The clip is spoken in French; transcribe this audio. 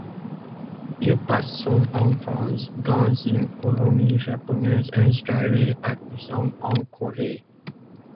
Il passe son enfance dans une colonie japonaise installée à Busan en Corée.